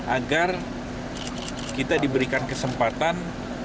agar kita diberikan kesempatan